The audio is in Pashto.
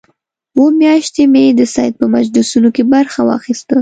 اووه میاشتې مې د سید په مجلسونو کې برخه واخیسته.